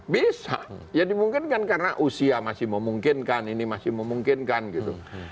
bisa jadi mungkin kan karena usia masih memungkinkan ini masih memungkinkan gitu